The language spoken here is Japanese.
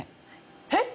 えっ？